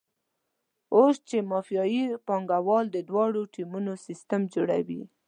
اوس چې مافیایي پانګوال د دواړو ټیمونو سیستم جوړوي.